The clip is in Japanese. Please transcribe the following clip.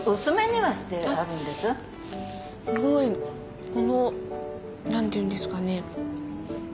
すごいこの何ていうんですかね。